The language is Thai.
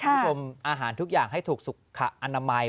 คุณผู้ชมอาหารทุกอย่างให้ถูกสุขอนามัย